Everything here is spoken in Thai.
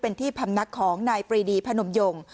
เป็นที่พำนักของนายปรีดีพนมยง